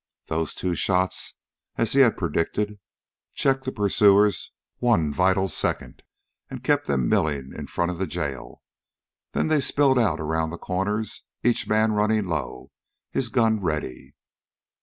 Those two shots, as he had predicted, checked the pursuers one vital second and kept them milling in front of the jail. Then they spilled out around the corners, each man running low, his gun ready.